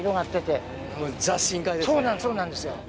そうなんですよ。